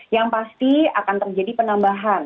yang pasti akan terjadi penambahan